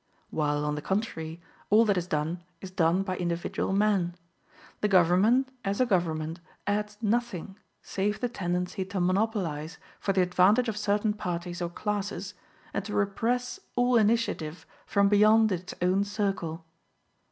While, on the contrary, all that is done is done by individual men. The government, as a government, adds nothing save the tendency to monopolize for the advantage of certain parties or classes, and to repress all initiative from beyond its own circle.